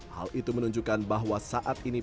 hal itu menunjukkan bahwa saat ini